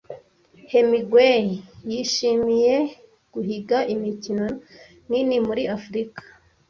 Hemingway yishimiye guhiga imikino nini muri Afurika.